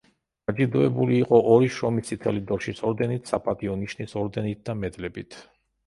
დაჯილდოვებული იყო ორი შრომის წითელი დროშის ორდენით, „საპატიო ნიშნის“ ორდენით და მედლებით.